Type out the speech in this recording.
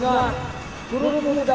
bapak bapak yang kejam